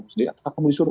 apakah kamu disuruh